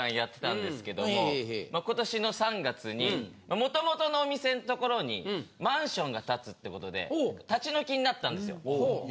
今年の３月に元々のお店の所にマンションが建つってことで立ち退きになったんですよ。